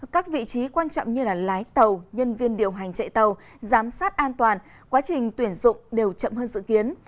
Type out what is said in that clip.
các vị trí quan trọng như lái tàu nhân viên điều hành chạy tàu giám sát an toàn quá trình tuyển dụng đều chậm hơn dự kiến